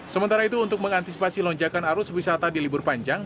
sementara itu untuk mengantisipasi lonjakan arus wisata di libur panjang